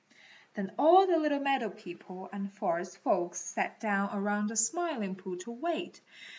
Then all the little meadow people and forest folks sat down around the Smiling Pool to wait.